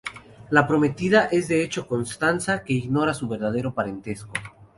La prometida es de hecho Costanza, que ignora su verdadero parentesco.